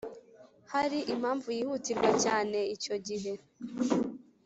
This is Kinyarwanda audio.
hari impamvu yihutirwa cyane Icyo gihe